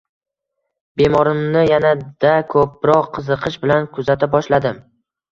Bemorimni yanada ko`proq qiziqish bilan kuzata boshladim